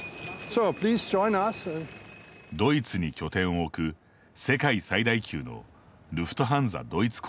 ドイツに拠点を置く世界最大級のルフトハンザドイツ航空。